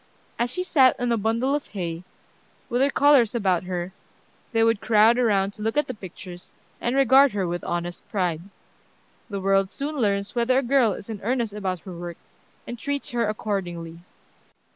As she sat on a bundle of hay, with her colors about her, they would crowd around to look at the pictures, and regard her with honest pride. The world soon learns whether a girl is in earnest about her work, and treats her accordingly.